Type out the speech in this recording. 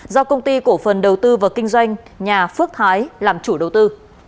do công ty cổ phần đầu tư và kinh doanh nhà phước thái làm chủ đầu tư